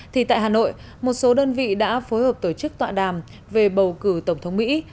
thì tại hà nội một số đơn vị đã phối hợp tổ chức tọa đàm về bầu cử tổng thống mỹ